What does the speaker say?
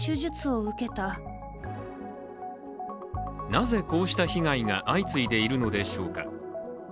なぜ、こうした被害が相次いでいるのでしょうか。